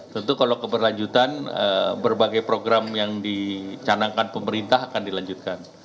tentu kalau keberlanjutan berbagai program yang dicanangkan pemerintah akan dilanjutkan